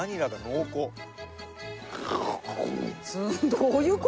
どういう声？